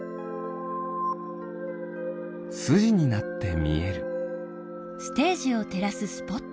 すじになってみえる。